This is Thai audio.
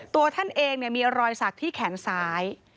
ตัวท่านเองมีรอยสักที่แขนซ้าย